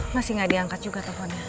masih gak diangkat juga pohonnya